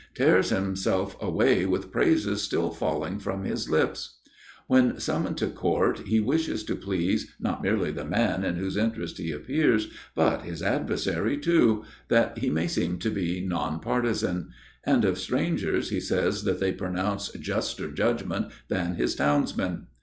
tears himself away with praises still falling from his lips. When summoned to court he wishes to please not merely the man in whose interest he appears, but his adversary too, that he may seem to be non partisan; and of strangers he says that they pronounce juster judgment than his townsmen.